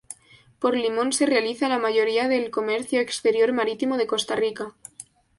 Por Limón se realiza la mayoría del comercio exterior marítimo de Costa Rica.